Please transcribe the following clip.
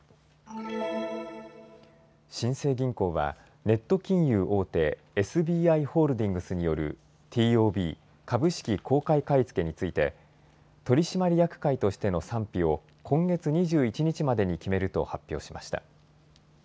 新生銀行はネット金融大手、ＳＢＩホールディングスによるＴＯＢ・株式公開買い付けについて取締役会としての賛否を今月２１日までに決めると発表しました。